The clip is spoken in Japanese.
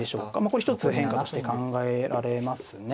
これ一つ変化として考えられますね。